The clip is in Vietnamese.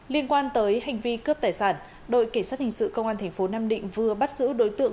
liên quan tới hành vi cướp tài sản đội cảnh sát hình sự công an tp nam định vừa bắt giữ đối tượng